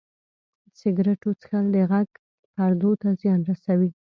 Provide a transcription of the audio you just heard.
سګرټو څښل د غږ پردو ته زیان رسوي.